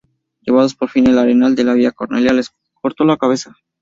Llevados por fin al arenal de la Vía Cornelia, les cortó la cabeza.